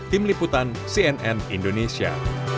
tim liputan cnn indonesia